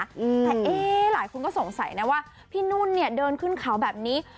แต่เอ๊ะหลายคนก็สงสัยนะว่าพี่นุ่นเนี่ยเดินขึ้นเขาแบบนี้